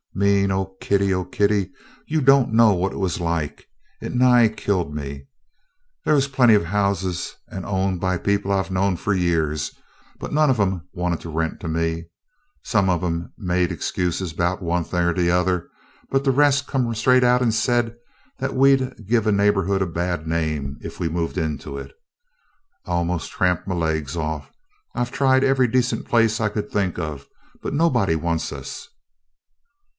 "Mean? Oh Kitty! Kitty! you don't know what it was like. It nigh killed me. Thaih was plenty of houses an' owned by people I 've knowed fu' yeahs, but not one of 'em wanted to rent to me. Some of 'em made excuses 'bout one thing er t' other, but de res' come right straight out an' said dat we 'd give a neighbourhood a bad name ef we moved into it. I 've almos' tramped my laigs off. I 've tried every decent place I could think of, but nobody wants us."